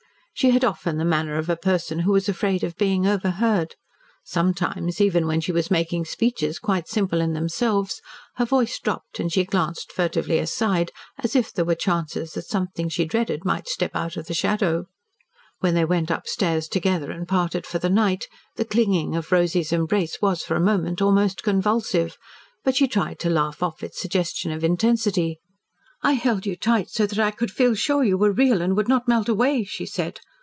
She had often the manner of a person who was afraid of being overheard; sometimes, even when she was making speeches quite simple in themselves, her voice dropped and she glanced furtively aside as if there were chances that something she dreaded might step out of the shadow. When they went upstairs together and parted for the night, the clinging of Rosy's embrace was for a moment almost convulsive. But she tried to laugh off its suggestion of intensity. "I held you tight so that I could feel sure that you were real and would not melt away," she said.